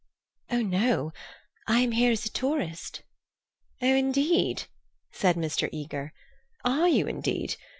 "Oh, no. I am here as a tourist." "Oh, indeed," said Mr. Eager. "Are you indeed?